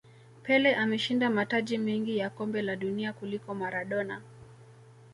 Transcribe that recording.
pele ameshinda mataji mengi ya kombe la dunia kuliko maradona